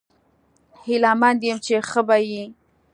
هیله مند یم چې ښه به یې